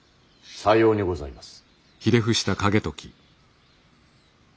さようにございます。